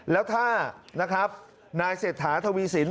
แล้วถ้านายเศรษฐาทวีสิน